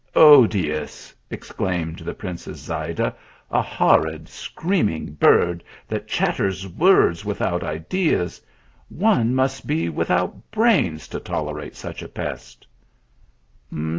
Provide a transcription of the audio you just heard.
" Odious !" exclaimed the princess Zayda. " A horrid screaming bird that chatters words without ideas ! One must be without brains to tolerate such a pest."